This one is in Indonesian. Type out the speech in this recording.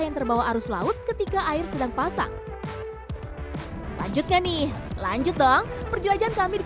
yang terbawa arus laut ketika air sedang pasang lanjutkan nih lanjut dong perjalanan kami di